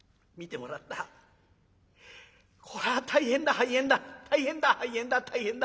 これは大変だ肺炎だ大変だ肺炎だ大変だ肺炎だって。